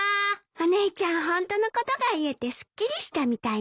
お姉ちゃんホントのことが言えてすっきりしたみたいね。